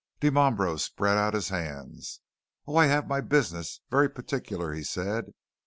Dimambro spread out his hands. "Oh, I have my business very particular," he said.